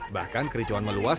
bahkan kericauan meluas